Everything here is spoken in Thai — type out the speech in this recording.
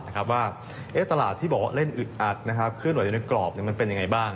ว่าห้วงตลาดที่บอกว่าเล่นอึดอัดคือหน่วยอยู่ในกรอบบนี้มันเป็นยังไงบ้าง